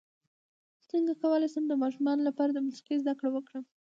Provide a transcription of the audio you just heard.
څنګه کولی شم د ماشومانو لپاره د موسیقۍ زدکړه ورکړم